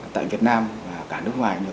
tại việt nam và cả nước ngoài